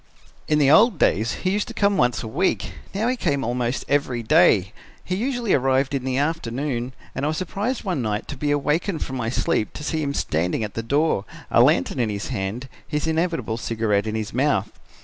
"In the old days he used to come once a week; now he came almost every day. He usually arrived in the afternoon and I was surprised one night to be awakened from my sleep to see him standing at the door, a lantern in his hand, his inevitable cigarette in his mouth.